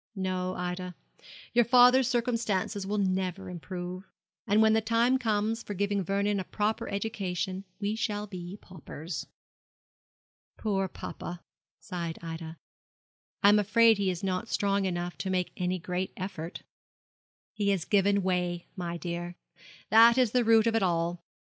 No, Ida, your father's circumstances will never improve; and when the time comes for giving Vernon a proper education we shall be paupers.' 'Poor papa!' sighed Ida; 'I am afraid he is not strong enough to make any great effort.' 'He has given way, my dear; that is the root of it all.